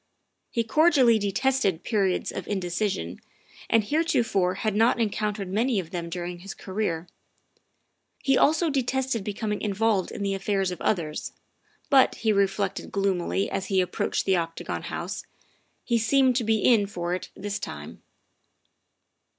He cordially detested periods of indeci sion, and heretofore had not encountered many of them during his career; he also detested becoming involved in the affairs of others, but, he reflected gloomily as he approached the Octagon House, he seemed to be in for it this time.